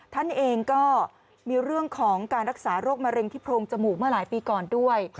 ท่านเองก็มีเรื่องของการรักษาโรคมะเร็งที่โพรงจมูกเมื่อหลายปีก่อนด้วย